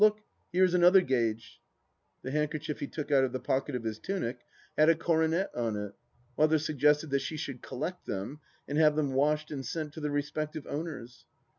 Look, here is another gage." The handkerchief he took out of the pocket of his tunic had a coronet on it. Mother suggested that she should collect them and have them washed and sent to the re spective owners.